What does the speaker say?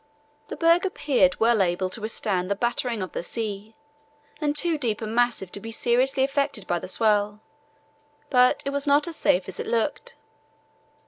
The berg appeared well able to withstand the battering of the sea, and too deep and massive to be seriously affected by the swell; but it was not as safe as it looked.